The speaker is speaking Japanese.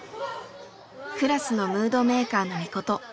クラスのムードメーカーのみこと。